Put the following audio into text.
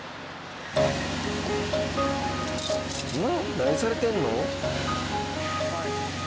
何されてるの？